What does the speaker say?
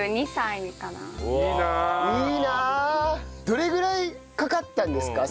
どれぐらいかかったんですか？